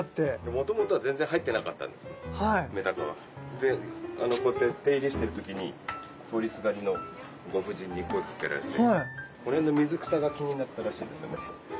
もともとは全然入ってなかったんですねメダカは。でこうやって手入れしてる時に通りすがりのご婦人に声かけられてこの辺の水草が気になったらしいんですよね。